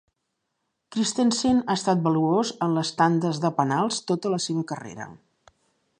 Christensen ha estat valuós en les tandes de penals tota la seva carrera.